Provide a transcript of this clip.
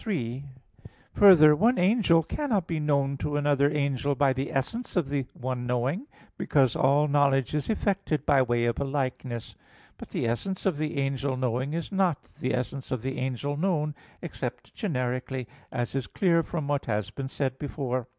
3: Further, one angel cannot be known to another angel by the essence of the one knowing; because all knowledge is effected by way of a likeness. But the essence of the angel knowing is not like the essence of the angel known, except generically; as is clear from what has been said before (Q.